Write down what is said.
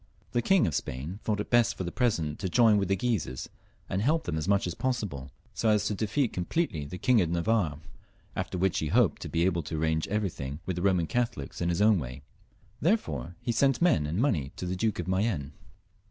The King of Spain thought it best for the present to join with the Guises and help them as much as possible, so as to defeat completely the King of Navarre, after which he hoped to be able to arrange everything with the Soman Catholics in his own way. Therefore he sent men and money to the Duke of Mayenne.